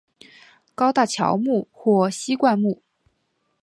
高大乔木或稀灌木。